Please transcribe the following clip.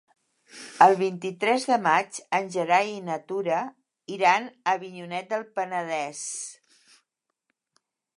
El vint-i-tres de maig en Gerai i na Tura iran a Avinyonet del Penedès.